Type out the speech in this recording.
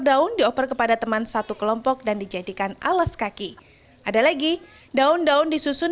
daun dioper kepada teman satu kelompok dan dijadikan alas kaki ada lagi daun daun disusun